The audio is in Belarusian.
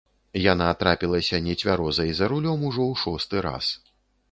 Яна трапілася нецвярозай за рулём ужо ў шосты раз.